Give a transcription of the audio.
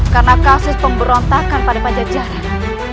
karena kasus pemberontakan pada pajak jalan